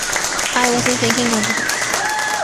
I wasn't thinking of hooks.